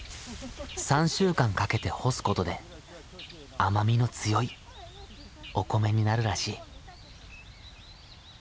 ３週間かけて干すことで甘みの強いお米になるらしい。